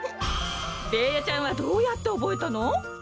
ベーヤちゃんはどうやっておぼえたの？